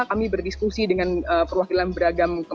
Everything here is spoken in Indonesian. kami berdiskusi dengan perwakilan beragam